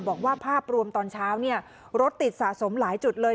บอกว่าภาพรวมตอนเช้าเนี่ยรถติดสะสมหลายจุดเลย